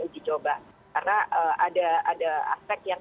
uji coba karena ada aspek yang